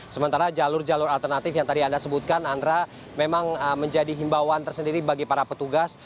sementara jalur jalur alternatif yang tadi anda sebutkan andra memang menjadi himbauan tersendiri bagi para petugas